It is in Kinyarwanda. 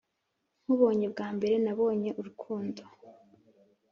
nkubonye bwa mbere, nabonye urukundo.